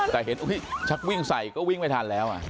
แต่เห็นชักวิ่งใส่ก็วิ่งไม่ทันแล้ว